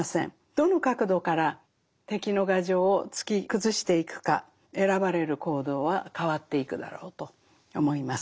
どの角度から敵の牙城を突き崩していくか選ばれる行動は変わっていくだろうと思います。